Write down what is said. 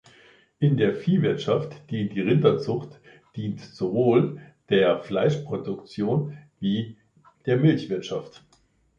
In der Viehwirtschaft dient die Rinderzucht dient sowohl der Fleischproduktion wie der Milchwirtschaft.